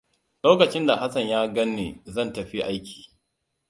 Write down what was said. Lokacin da Hassan ya ganni zan tafi aiki.